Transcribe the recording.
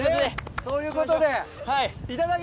そういうことで！